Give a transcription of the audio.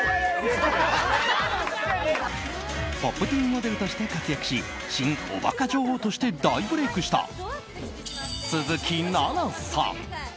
「Ｐｏｐｔｅｅｎ」モデルとして活躍し新おバカ女王として大ブレークした鈴木奈々さん。